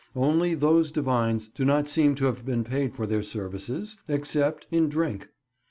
Only those divines do not seem to have been paid for their services, except in drink.